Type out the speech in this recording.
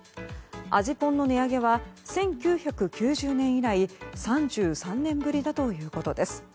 味ぽんの値上げは１９９０年以来３３年ぶりだということです。